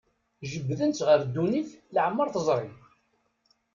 Jebbden-tt ɣer ddunit leɛmer teẓri.